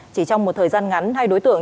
chỉ trong một thời gian ngắn hai đối tượng